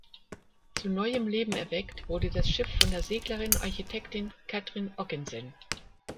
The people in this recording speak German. Zu „neuem Leben erweckt“ wurde das Schiff von der Seglerin und Architektin Katrin Oggensen.